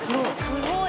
すごい。